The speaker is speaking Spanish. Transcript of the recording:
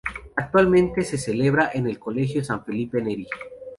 Actualmente se celebra en el colegio San Felipe Neri.